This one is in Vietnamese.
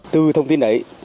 từ thông tin đấy